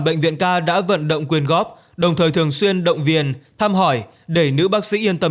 bệnh viện k đã vận động quyền góp đồng thời thường xuyên động viên thăm hỏi để nữ bác sĩ yên tâm